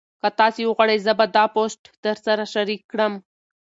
که تاسي وغواړئ زه به دا پوسټ درسره شریک کړم.